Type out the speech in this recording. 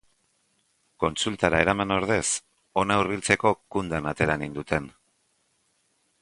Kontsultara eraman ordez, hona hurbiltzeko kundan atera ninduten.